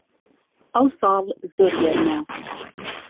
ئەوساڵ زۆر گەرمە